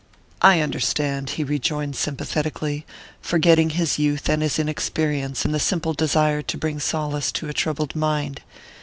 "I understand," he rejoined sympathetically, forgetting his youth and his inexperience in the simple desire to bring solace to a troubled mind.